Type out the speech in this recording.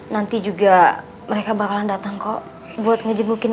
nanti juga mereka bakalan dateng kok buat ngejengukin ibu